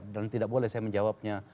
dan tidak boleh saya menjawabnya